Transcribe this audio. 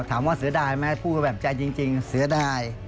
แต่ถามว่าเสื้อได้ไหมพูดแบบใจจริงเสื้อได้